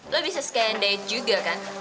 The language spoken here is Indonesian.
lo bisa scan diet juga kan